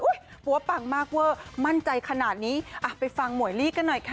หัวปังมากเวอร์มั่นใจขนาดนี้อ่ะไปฟังหมวยลี่กันหน่อยค่ะ